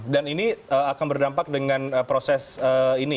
dan ini akan berdampak dengan proses ini ya